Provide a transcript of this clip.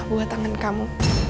buat tangan kamu